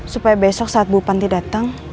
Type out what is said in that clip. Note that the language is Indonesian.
supaya besok saat ibu panti dateng